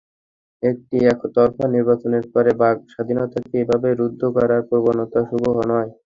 একটি একতরফা নির্বাচনের পরে বাকস্বাধীনতাকে এভাবে রুদ্ধ করার প্রবণতা শুভ নয়।